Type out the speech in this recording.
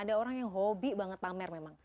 ada orang yang hobi banget pamer memang